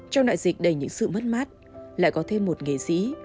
trong đại dịch đầy những sự mất mát lại có thêm một nghệ sĩ